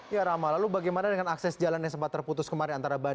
ya rama lalu bagaimana dengan akses jalan yang sempat terputus kemarin